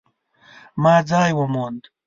ما ځای وموند